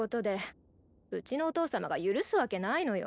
うちのお父様が許すわけないのよ。